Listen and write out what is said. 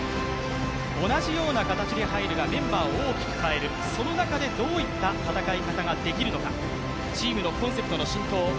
同じような形ではいるがメンバーは大きく変える、その中でどういった戦い方ができるのか、チームのコンセプトの浸透